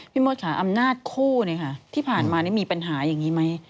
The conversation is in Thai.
พี่มดค่ะอำนาจคู่ที่ผ่านมามีปัญหาอย่างนี้ไหม